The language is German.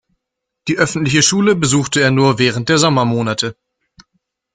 Die öffentliche Schule besuchte er nur während der Sommermonate.